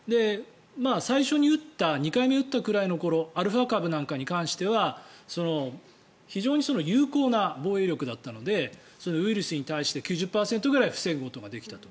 最初に打った２回目打ったくらいの頃アルファ株なんかに関しては非常に有効な防衛力だったのでウイルスに対して９０％ぐらい防ぐことができたと。